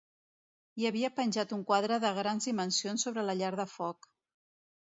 Hi havia penjat un quadre de grans dimensions sobre la llar de foc.